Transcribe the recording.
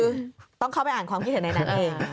คือต้องเข้าไปอ่านความคิดเห็นในนั้นเอง